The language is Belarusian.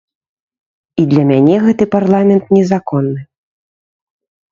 І для мяне гэты парламент незаконны.